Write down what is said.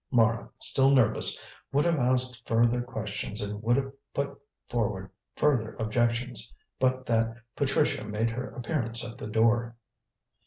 Mara, still nervous, would have asked further questions and would have put forward further objections, but that Patricia made her appearance at the door.